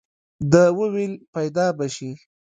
ده وويل پيدا به شي.